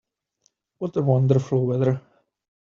What a wonderful weather!